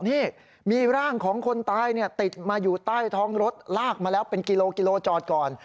นี่มีร่างของคนตายติดมาอยู่ใต้ท้องรถลากมาแล้วเป็นกิโลกิโลจอดก่อน